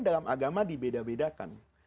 dalam agama dibeda bedakan